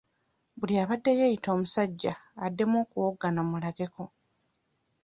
Buli abadde yeeyita omusajja addemu okuwoggana mmulageko.